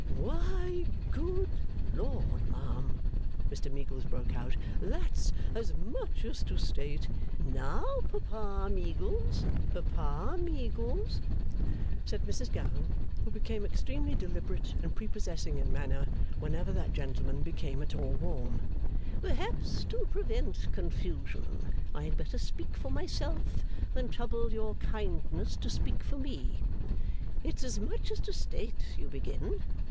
'Why, good Lord, ma'am!' Mr Meagles broke out, 'that's as much as to state ' 'Now, Papa Meagles, Papa Meagles,' said Mrs Gowan, who became extremely deliberate and prepossessing in manner whenever that gentleman became at all warm, 'perhaps to prevent confusion, I had better speak for myself than trouble your kindness to speak for me. It's as much as to state, you begin.